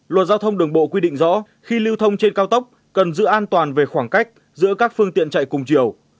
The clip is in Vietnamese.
luật giao thông đường bộ quy định rõ khi lưu thông trên cao tốc cần giữ an toàn về khoảng cách giữa các phương tiện chạy cùng chiều